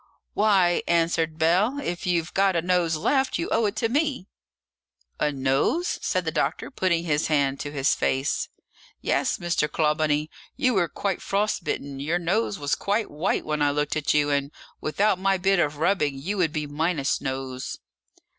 "Why," answered Bell, "if you've got a nose left, you owe it to me." "A nose?" said the doctor, putting his hand to his face. "Yes, Mr. Clawbonny, you were quite frostbitten; your nose was quite white when I looked at you, and without my bit of rubbing you would be minus nose."